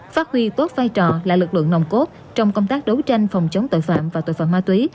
phát huy tốt vai trò là lực lượng nồng cốt trong công tác đấu tranh phòng chống tội phạm và tội phạm ma túy